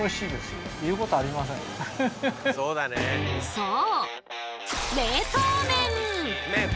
そう！